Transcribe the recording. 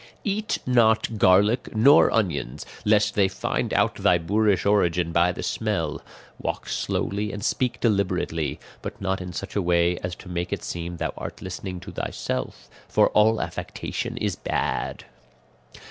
"Eat not garlic nor onions, lest they find out thy boorish origin by the smell; walk slowly and speak deliberately, but not in such a way as to make it seem thou art listening to thyself, for all affectation is bad.